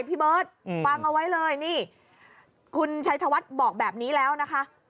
พี่เบิร์ตฟังเอาไว้เลยนี่คุณชัยธวัฒน์บอกแบบนี้แล้วนะคะ